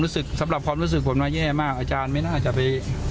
สำหรับความรู้สึกผมนะแย่มากอาจารย์ไม่น่าจะไป